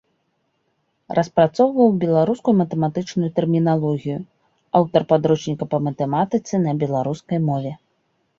Распрацоўваў беларускую матэматычную тэрміналогію, аўтар падручніка па матэматыцы на беларускай мове.